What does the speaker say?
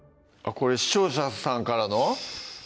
これ視聴者さんからの？